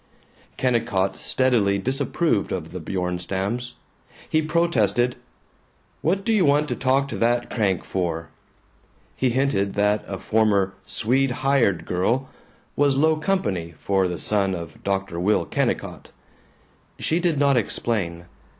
Kennicott steadily disapproved of the Bjornstams. He protested, "What do you want to talk to that crank for?" He hinted that a former "Swede hired girl" was low company for the son of Dr. Will Kennicott. She did not explain.